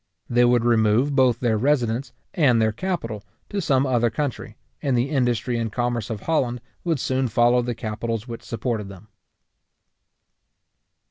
They would remove both their residence and their capital to some other country, and the industry and commerce of Holland would soon follow the capitals which supported them.